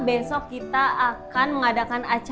besok kita akan mengadakan acara